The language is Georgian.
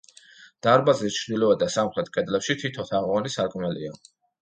დარბაზის ჩრდილოეთ და სამხრეთ კედლებში თითო თაღოვანი სარკმელია.